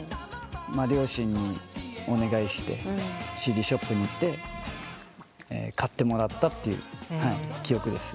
両親にお願いしてＣＤショップに行って買ってもらったという記憶ですね。